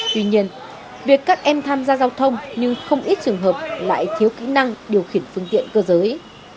tuy nhiên việc các em tham gia giao thông nhưng không ít trường hợp lại thiếu kỹ năng điều khiển phương tiện cơ giới